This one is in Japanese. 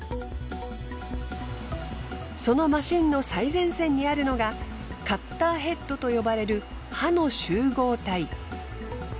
そのマシンの最前線にあるのがカッターヘッドと呼ばれる刃の集合体。